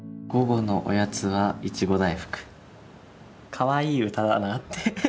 かわいい歌だなって。